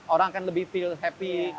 orang akan lebih feel happy